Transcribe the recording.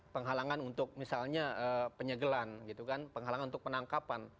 penghalangan untuk misalnya penyegelan penghalangan untuk penangkapan